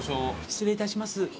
失礼いたします。